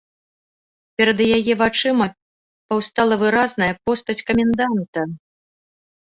Перад яе вачыма паўстала выразная постаць каменданта.